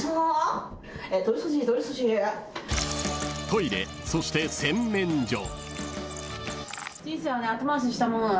［トイレそして洗面所］